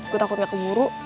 gue takut gak keburu